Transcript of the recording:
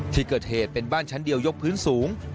ที่เกิดเหตุเป็นบ้านชั้นเดียวยกพื้นสูง